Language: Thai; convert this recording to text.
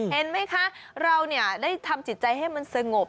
เห็นไหมคะเราได้ทำจิตใจให้มันสงบ